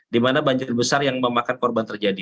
di mana banjir besar yang memakan korban terjadi